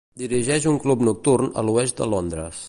Dirigeix un club nocturn a l'oest de Londres.